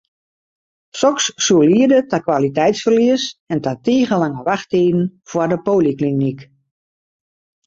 Soks soe liede ta kwaliteitsferlies en ta tige lange wachttiden foar de polyklinyk.